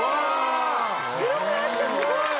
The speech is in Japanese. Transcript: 白くなってるすごい！